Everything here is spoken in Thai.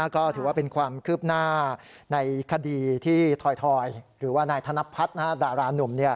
ก็ถือว่าเป็นความคืบหน้าในคดีที่ทอยหรือว่านายธนพัฒน์ดารานุ่ม